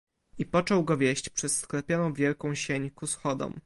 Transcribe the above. "I począł go wieść przez sklepioną wielką sień ku schodom."